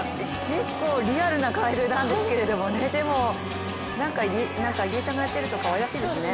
結構リアルなカエルなんですけれどもねでも入江さんがやってるとかわいらしいですね。